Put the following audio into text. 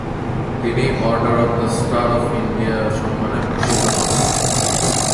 তিনি Order of the Star of India সম্মানে ভূষিত হন।